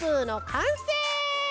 かんせい！